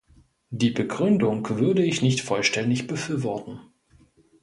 Die Begründung würde ich nicht vollständig befürworten.